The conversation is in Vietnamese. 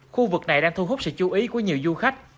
khu vực này đang thu hút sự chú ý của nhiều du khách